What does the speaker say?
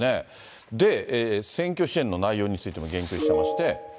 で、選挙支援の内容についても言及してまして。